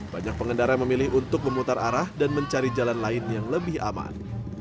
banyak pengendara memilih untuk memutar arah dan mencari jalan lain yang lebih aman